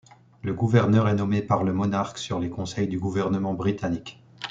Le gouverneur est nommé par le monarque sur les conseils du gouvernement britannique.